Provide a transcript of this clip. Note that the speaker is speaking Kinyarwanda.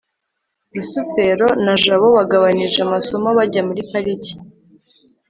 rusufero na jabo bagabanije amasomo bajya muri pariki